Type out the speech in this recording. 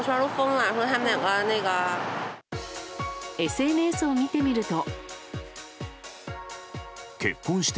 ＳＮＳを見てみると。